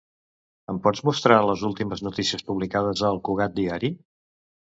Em pots mostrar les últimes notícies publicades al "Cugat Diari"?